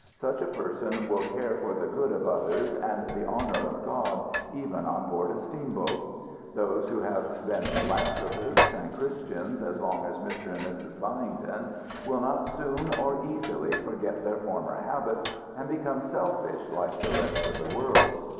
Such a person will care for the good of others, and the honor of God, even on board a steamboat. Those who have been philanthropists and Christians as long as Mr. and Mrs. Byington, will not soon or easily forget their former habits and become selfish like the rest of the world.